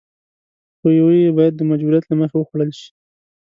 خو يوه يې بايد د مجبوريت له مخې وخوړل شي.